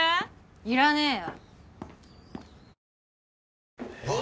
いらねぇよ。